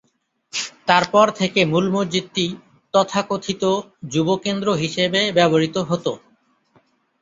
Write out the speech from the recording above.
তারপর থেকে মূল মসজিদটি তথাকথিত যুব কেন্দ্র হিসেবে ব্যবহৃত হতো।